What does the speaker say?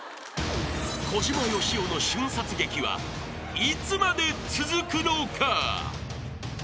［小島よしおの瞬殺劇はいつまで続くのか？］